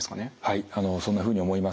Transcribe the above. はいそんなふうに思いますね。